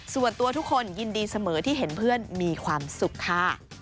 ส่วนตัวทุกคนยินดีเสมอที่เห็นเพื่อนมีความสุขค่ะ